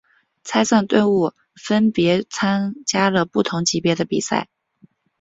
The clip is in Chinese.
参赛队伍分别参加了不同级别的比赛。